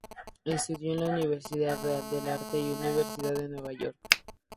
Estudió en la Universidad Real de Arte y Universidad de Nueva York.